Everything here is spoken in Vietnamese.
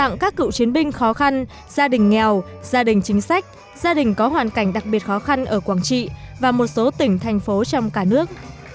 gia đình khó khăn gia đình nghèo gia đình chính sách gia đình có hoàn cảnh đặc biệt khó khăn ở quảng trị và một số tỉnh thành phố trong cả nước